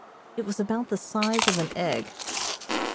It was about the size of an egg.